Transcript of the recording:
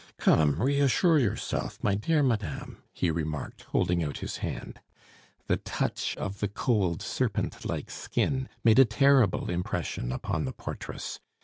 "Come, reassure yourself, my dear madame," he remarked, holding out his hand. The touch of the cold, serpent like skin made a terrible impression upon the portress.